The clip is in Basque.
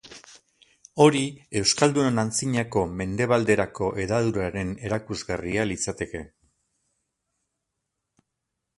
Hori euskaldunon antzinako mendebalderako hedaduraren erakusgarria litzateke.